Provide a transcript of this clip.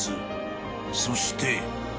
［そして］